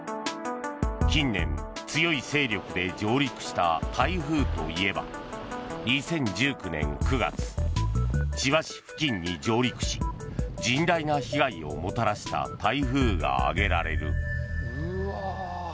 近年、強い勢力で上陸した台風といえば２０１９年９月千葉市付近に上陸し甚大な被害をもたらした台風が挙げられる。